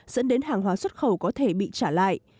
dẫn đến hàng hóa xuất khẩu có thể bị trả lại